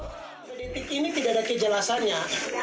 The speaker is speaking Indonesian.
di titik ini tidak ada kejelasannya